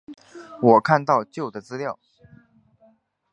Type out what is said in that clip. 我看到旧的资料